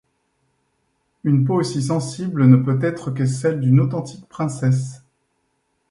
Une peau aussi sensible ne peut être que celle d'une authentique princesse.